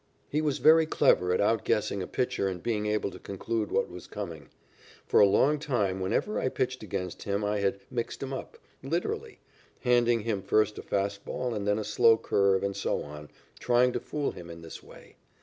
He was very clever at out guessing a pitcher and being able to conclude what was coming. For a long time whenever I pitched against him I had "mixed 'em up" literally, handing him first a fast ball and then a slow curve and so on, trying to fool him in this way.